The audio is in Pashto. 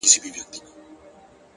خپل ژوند د خیر او پوهې سرچینه وګرځوئ؛